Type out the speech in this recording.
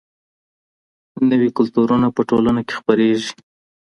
نوي کلتورونه په ټولنه کي خپریږي.